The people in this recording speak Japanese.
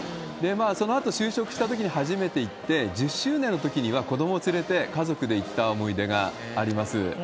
そのあと就職したときに初めて行って、１０周年のときには子どもを連れて家族で行った思い出があります。